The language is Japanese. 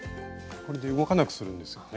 これで動かなくするんですよね。